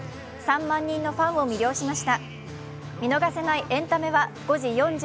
３万人のファンを魅了しました。